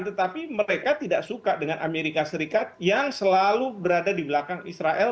tetapi mereka tidak suka dengan amerika serikat yang selalu berada di belakang israel